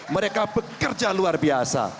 mereka bekerja luar biasa